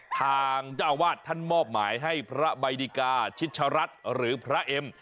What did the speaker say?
ทางเจ้าอาวาสท่านมอบหมายให้พระใบดิกาชิชรัฐหรือพระเอ็ม